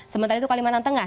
sementara itu kalimantan tengah